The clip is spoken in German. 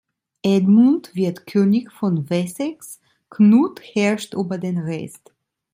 Edmund wird König von Wessex, Knut herrscht über den Rest.